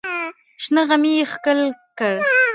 شنه غمی یې ښکل کړ.